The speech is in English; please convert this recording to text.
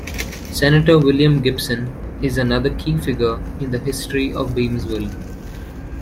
Senator William Gibson is another key figure in the history of Beamsville.